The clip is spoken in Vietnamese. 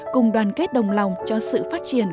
cùng đoàn kết đồng lòng cho sự phát triển